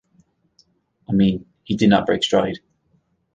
I mean, he did not break stride.